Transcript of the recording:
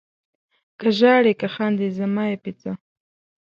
که ژاړې که خاندې زما یې په څه؟